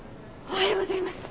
おはようございます。